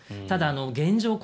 ただ、現状